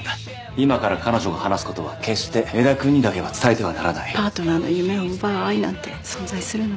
今から彼女が話すことは決して江田君にだけは伝えてはならないパートナーの夢を奪う愛なんて存在するの？